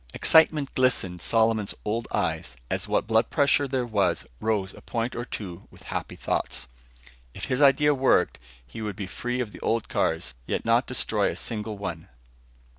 Excitement glistened Solomon's old eyes as what blood pressure there was rose a point or two with happy thoughts. If his idea worked, he would be free of the old cars, yet not destroy a single one.